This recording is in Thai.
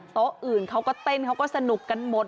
โต๊ะอื่นเขาก็เต้นเขาก็สนุกกันหมด